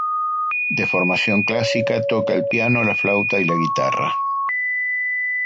De formación clásica, toca el piano, la flauta y la guitarra.